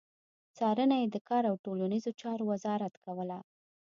څارنه يې د کار او ټولنيزو چارو وزارت کوله.